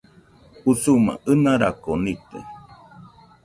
Usuma ɨnarako nite